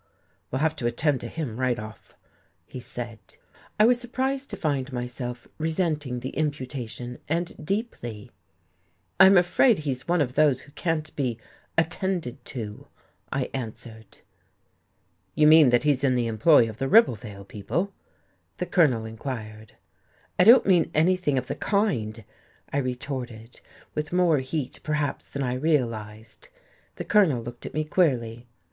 "We'll have to attend to him, right off," he said. I was surprised to find myself resenting the imputation, and deeply. "I'm afraid he's one of those who can't be 'attended to,'" I answered. "You mean that he's in the employ of the Ribblevale people?" the Colonel inquired. "I don't mean anything of the kind," I retorted, with more heat, perhaps, than I realized. The Colonel looked at me queerly.